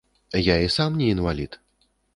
Я і сам не інвалід.